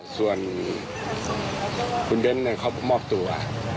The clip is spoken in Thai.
ส่วนคุณเบนส์เขาก็มอบตัว